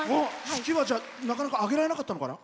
式はなかなか挙げられなかったのかな？